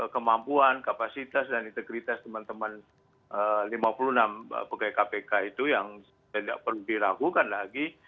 kemampuan kapasitas dan integritas teman teman lima puluh enam pegawai kpk itu yang tidak perlu diragukan lagi